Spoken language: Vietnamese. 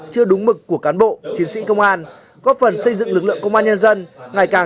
chưa đúng mực của cán bộ chiến sĩ công an